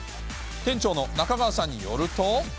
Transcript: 店長の中川さんによると。